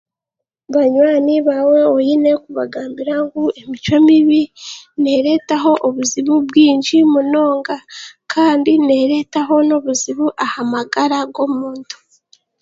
Banywani baawe oine kubagambira ngu emicwe mibi neereetaho obuzibu bwingi munonga kandi neereetaho n'obuzibu aha magara g'omuntu.